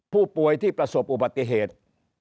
ผู้ป่วยที่ประสบอุบัติเหตุ